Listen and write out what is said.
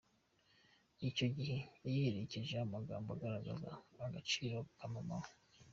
Icyo gihe yayiherekesheje amagambo agaragaza agaciro ka mama we.